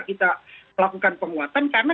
kita melakukan penguatan karena